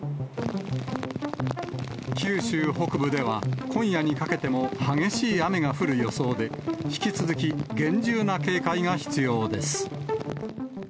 九州北部では今夜にかけても激しい雨が降る予想で、引き続き厳重な警戒が必要です。